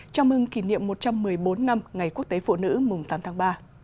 chào mừng kỷ niệm một trăm một mươi bốn năm ngày quốc tế phụ nữ mùng tám tháng ba